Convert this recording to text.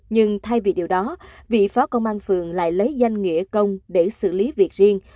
nhưng thay vì điều đó vị phó công an phường lại lấy danh nghĩa công để xử lý việc riêng